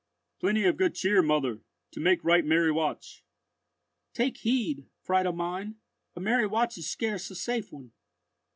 Plenty of good cheer, mother, to make a right merry watch." "Take heed, Friedel mine; a merry watch is scarce a safe one."